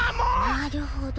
なるほど。